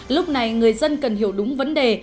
lúc này người dân cần hiểu đúng vấn đề